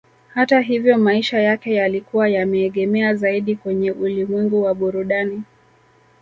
Hata hivyo maisha yake yalikuwa yameegemea zaidi kwenye ulimwengu wa burudani